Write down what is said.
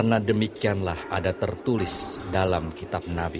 karena demikianlah ada tertulis dalam kitab nabi